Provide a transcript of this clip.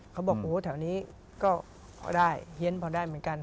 เขาบอกโอ้แถวนี้ก็พอได้เฮียนพอได้เหมือนกัน